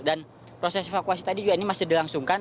dan proses evakuasi tadi juga ini masih dilangsungkan